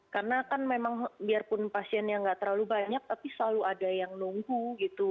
karena kan memang biarpun pasiennya nggak terlalu banyak tapi selalu ada yang nunggu gitu